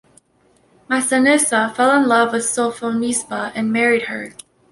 Masinissa fell in love with Sophonisba and married her.